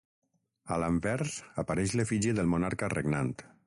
A l'anvers apareix l'efígie del monarca regnant.